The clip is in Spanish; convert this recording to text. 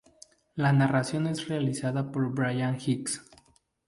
La narración es realizada por Bryan Hicks.